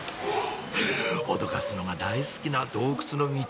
脅かすのが大好きな洞窟のミチ